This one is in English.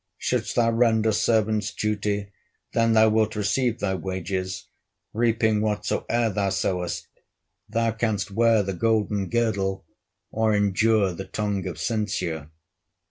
Shouldst thou render servant's duty, Then thou wilt receive thy wages, Reaping whatsoe'er thou sowest; Thou canst wear the golden girdle, Or endure the tongue of censure."